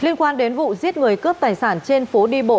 liên quan đến vụ giết người cướp tài sản trên phố đi bộ